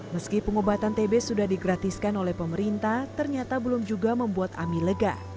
meski pengobatan tb sudah digratiskan oleh pemerintah ternyata belum juga membuat ami lega